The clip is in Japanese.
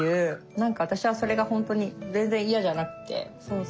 何か私はそれが本当に全然嫌じゃなくてそうそう。